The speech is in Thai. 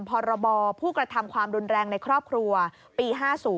พรบผู้กระทำความรุนแรงในครอบครัวปี๕๐